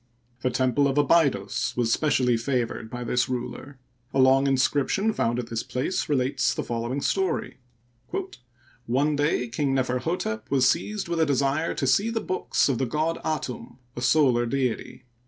The temple of Abydos was specially favored by this ruler. A long inscription found at this place relates the following story :" One day King Neferhotep was seized with a desire to see the books of the god Atum, a solar deity.